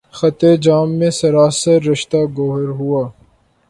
خطِ جامِ مے سراسر، رشتہٴ گوہر ہوا